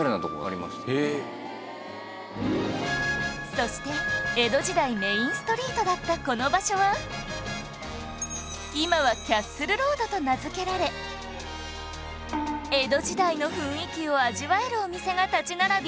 そして江戸時代メインストリートだったこの場所は今はキャッスルロードと名付けられ江戸時代の雰囲気を味わえるお店が立ち並び